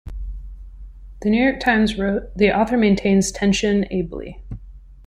The "New York Times" wrote "the author maintains tension ably".